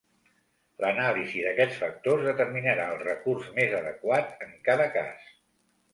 L'anàlisi d'aquests factors determinarà el recurs més adequat en cada cas.